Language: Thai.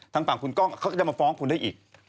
ทางฝั่งคุณกล้องเขาก็จะมาฟ้องคุณได้อีก